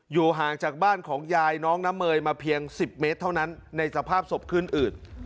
อยู่ห่างจากบ้านของยายน้องน้ำเมยมาเพียง๑๐เมตรเท่านั้นในสภาพศพขึ้นอืด